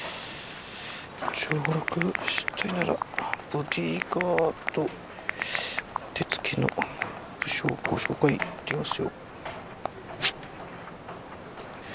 上洛したいならボディーガードにうってつけの武将をご紹介できますよ」。